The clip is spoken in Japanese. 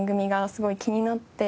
すごい気になって。